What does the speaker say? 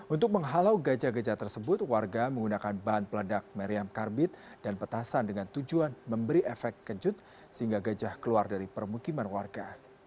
untuk menghalau gajah gajah tersebut warga menggunakan bahan peledak meriam karbit dan petasan dengan tujuan memberi efek kejut sehingga gajah keluar dari permukiman warga